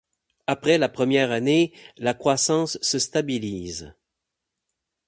Après la première année la croissance se stabilise.